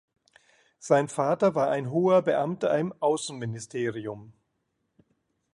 Sein Vater war ein hoher Beamter im Außenministerium.